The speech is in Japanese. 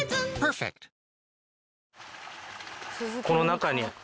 この中に？